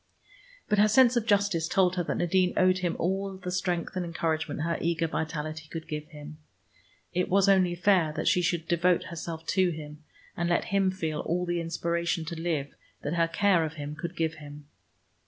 But her sense of justice told her that Nadine owed him all the strength and encouragement her eager vitality could give him. It was only fair that she should devote herself to him, and let him feel all the inspiration to live that her care of him could give him.